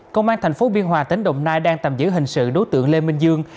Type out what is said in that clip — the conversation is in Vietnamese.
công an thành phố biên hòa tỉnh đồng nai đang tạm giữ hình sự đối tượng lê minh dương